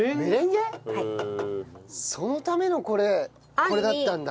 そのためのこれこれだったんだ。